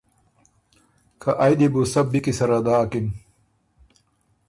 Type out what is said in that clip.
که ائ دی بُو سۀ بی کی سره داکِن۔